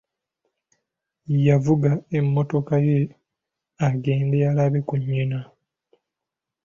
Yavuga emmotoka ye agende alabe ku nnyina.